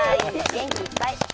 元気いっぱい。